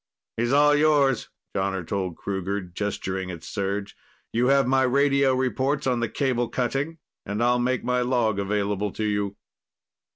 "He's all yours," Jonner told Kruger, gesturing at Serj. "You have my radio reports on the cable cutting, and I'll make my log available to you."